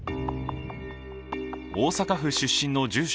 大阪府出身の住所